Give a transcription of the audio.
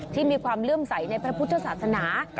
ที่มีความเลื่อมใสในพระพุทธศาสนา